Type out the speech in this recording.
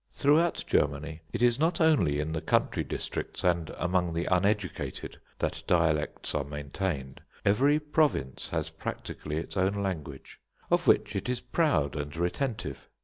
Throughout Germany it is not only in the country districts and among the uneducated that dialects are maintained. Every province has practically its own language, of which it is proud and retentive.